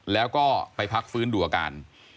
แล้วก็ไปพักฟื้นดูอาการ